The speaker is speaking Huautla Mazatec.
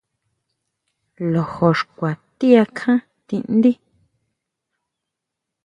Lojo xkua ti akján tindí.